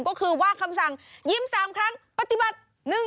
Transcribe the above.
ก็คือว่าคำสั่งยิ้ม๓ครั้งปฏิบัติ